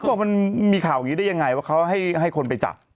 บอกมันมีข่าวอย่างนี้ได้ยังไงว่าเขาให้คนไปจับ